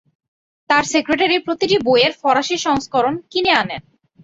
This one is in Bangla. তাঁর সেক্রেটারি প্রতিটি বইয়ের ফরাসি সংস্করণ কিনে আনেন।